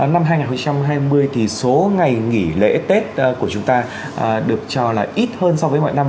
năm hai nghìn hai mươi thì số ngày nghỉ lễ tết của chúng ta được cho là ít hơn so với mọi năm